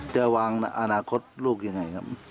จะวางอนาคตลูกยังไงครับ